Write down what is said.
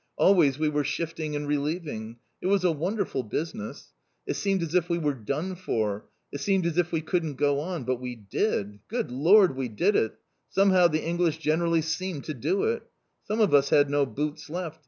Always we were shifting and relieving. It was a wonderful business. It seemed as if we were done for. It seemed as if we couldn't go on. But we did. Good lor! We did it! Somehow the English generally seem to do it. Some of us had no boots left.